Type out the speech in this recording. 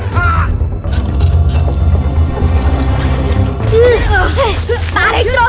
jangan diri ketat terus